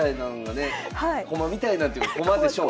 駒みたいなというか駒でしょう。